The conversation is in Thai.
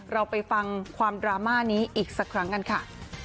เราไปฟังความดราม่านี้อีกสักครั้งกันค่ะ